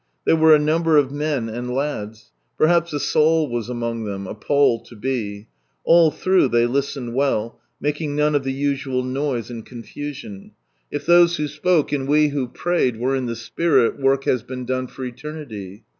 There were a number of men and lads. Per haps a Saul was among them, a Paul to be. All through, they listened well, making none of the usual noise and confusion. If those who spoke, and we who prayed were in the Spirit work has been done for Eternity.